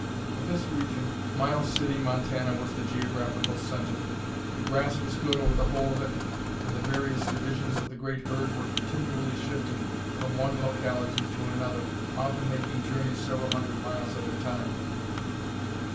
Of this region, Miles City, Montana, was the geographical center. The grass was good over the whole of it, and the various divisions of the great herd were continually shifting from one locality to another, often making journeys several hundred miles at a time.